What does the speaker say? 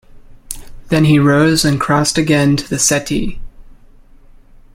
Then he rose and crossed again to the settee.